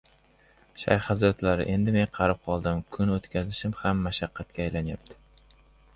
«Shayx hazratlari, endi men qarib qoldim, kun o‘tkazishim ham mashaqqatga aylanyapti.